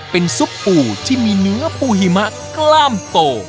เป็นซุปปู่ที่มีเนื้อปูหิมะกล้ามโต